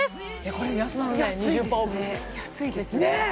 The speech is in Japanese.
これ安なるね２０％オフ安いですねねえ